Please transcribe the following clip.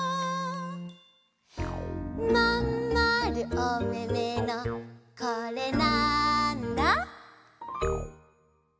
「まんまるおめめのこれなんだ？」